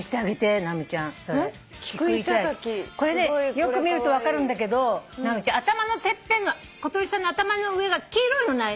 これよく見ると分かるんだけど直美ちゃん頭のてっぺんが小鳥さんの頭の上が黄色いのない？